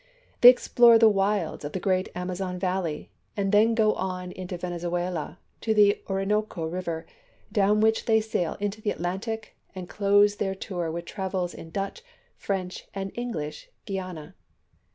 They explore the wilds of the great Amazon valley, and then go on into Venezuela to the Orinoco river, dowti which they sail into the Atlantic, and close their tour with travels in Dutch, French, and English Guiana.